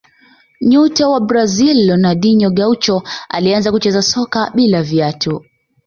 nyota wa brazil ronaldinho gaucho alianza kucheza soka bila viatu